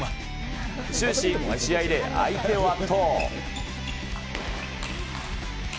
終始、打ち合いで相手を圧倒。